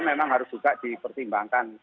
memang harus juga dipertimbangkan